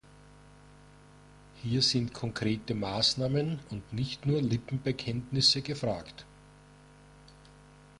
Hier sind konkrete Maßnahmen und nicht nur Lippenbekenntnisse gefragt.